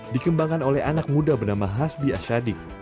dikembangkan oleh anak muda bernama hasbi asyadik